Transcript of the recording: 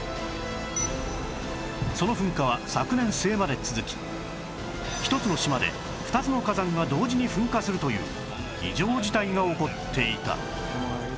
その噴火は昨年末まで続き１つの島で２つの火山が同時に噴火するという異常事態が起こっていた